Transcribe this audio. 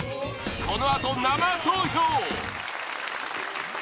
このあと生投票！